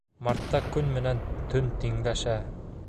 Мартта көн менән төн тиңләшә.